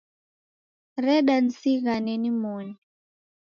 Reda nizighane nimoni